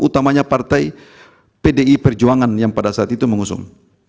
utamanya partai pdi perjuangan yang pada saat itu mengusung